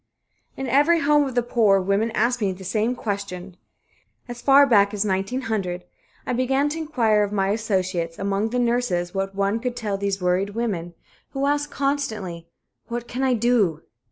In every home of the poor, women asked me the same question. As far back as 1900, I began to inquire of my associates among the nurses what one could tell these worried women who asked constantly: "What can I do?"